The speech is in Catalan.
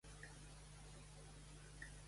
En quin moment històric era monarca?